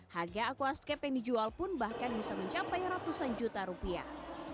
harga aquascape yang dijual pun bahkan bisa mencapai ratusan juta rupiah